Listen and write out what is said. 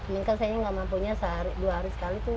mungkin sayangnya nggak mampunya dua hari sekali tuh lima puluh